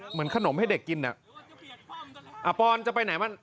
เหมือนขนมให้เด็กกินอ่ะปอนจะไปไหนมัน